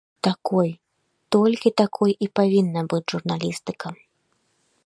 Такой, толькі такой і павінна быць журналістыка.